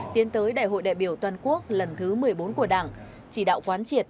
tiến tới đại hội đại biểu toàn quốc lần thứ một mươi bốn của đảng chỉ đạo quán triệt